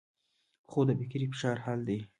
خوب د فکري فشار حل دی